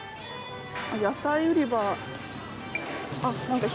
野菜売り場。